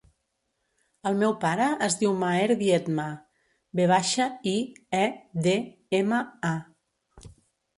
El meu pare es diu Maher Viedma: ve baixa, i, e, de, ema, a.